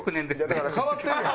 だから変わってるやん。